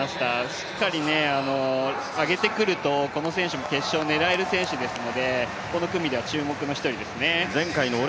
しっかり上げてくるとこの選手も決勝狙える選手ですので、この組では注目の１人ですね。